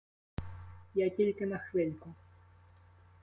Я тільки на хвильку.